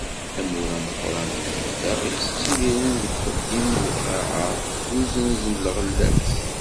Amur ameqqran deg yimezdaɣ-is, ttidiren seg uxeddim n lqaεa, d usenz n lɣella-s.